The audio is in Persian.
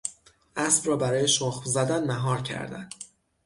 اسب را برای شخم زدن مهار کردن